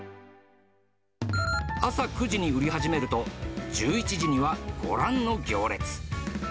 朝９時に売り始めると、１１時にはご覧の行列。